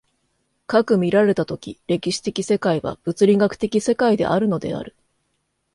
斯く見られた時、歴史的世界は物理学的世界であるのである、